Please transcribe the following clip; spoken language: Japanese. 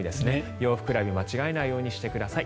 洋服選び間違えないようにしてください。